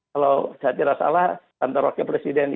kalau saya tidak salah kantor wakil presiden